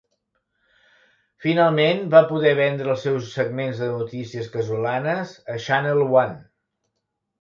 Finalment, va poder vendre els seus segments de notícies casolanes a Channel One.